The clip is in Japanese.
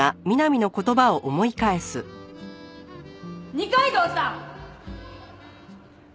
二階堂さん！